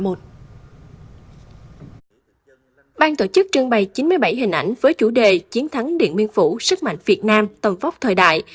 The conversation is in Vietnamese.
ban tổ chức trưng bày chín mươi bảy hình ảnh với chủ đề chiến thắng điện biên phủ sức mạnh việt nam tầm vóc thời đại